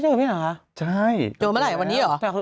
เจอเมื่อไหร่วันนี้หรอ